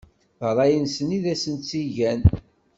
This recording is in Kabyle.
D ṛṛay-nsen i asen-tt-igan.